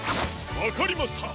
わかりました！